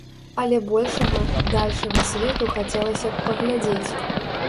Але большага, дальшага свету хацелася б паглядзець.